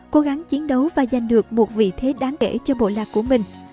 cố gắng chiến đấu và giành được một vị thế đáng kể cho bộ lạc của mình